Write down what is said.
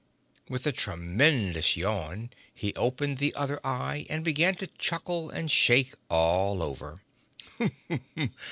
With a tremendous yawn he opened the other eye and began to chuckle and shake all over.